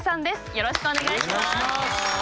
よろしくお願いします。